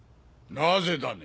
なぜだね？